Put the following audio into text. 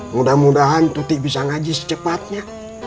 mudah mudahan tutik bisa ngaji secepatnya